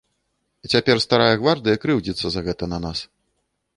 Цяпер старая гвардыя крыўдзіцца за гэта на нас.